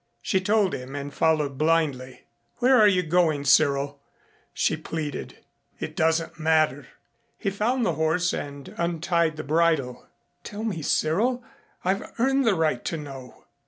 She told him and followed blindly. "Where are you going, Cyril?" she pleaded. "It doesn't matter." He found the horse and untied the bridle. "Tell me, Cyril. I've earned the right to know."